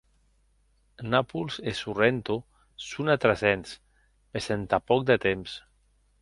Napols e Sorrento son atrasents, mès entà pòc de temps.